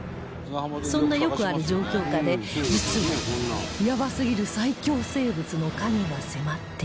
そんなよくある状況下で実はヤバすぎる最恐生物の影が迫っていた